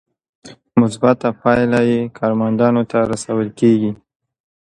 مثبته پایله یې کارمندانو ته رسول کیږي.